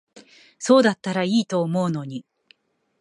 そうだったら良いと思うのに。